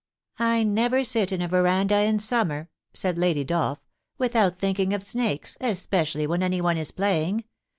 * I never sit in a veranda in summer,' said Lady Dolph, ' without thinking of snakes, especially when anyone is play ing.